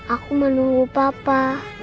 aku mau nunggu papa